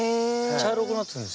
茶色くなってるんですね。